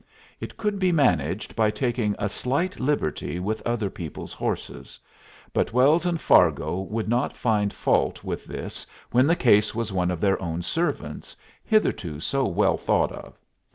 It could be managed by taking a slight liberty with other people's horses; but Wells and Fargo would not find fault with this when the case was one of their own servants, hitherto so well thought of.